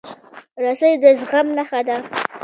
رسۍ د زغم نښه ده.